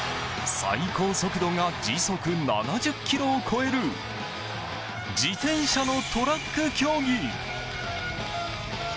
最高速度が時速７０キロを超える自転車のトラック競技。